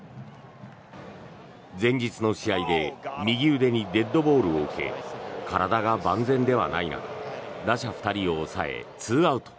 前日の試合で右腕にデッドボールを受け体が万全ではない中打者２人を抑え、２アウト。